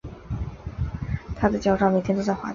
它的脚爪整天都在滑倒